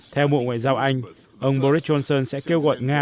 theo bộ ngoại giao anh ông boris johnson sẽ kêu gọi nga